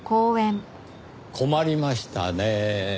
困りましたねぇ。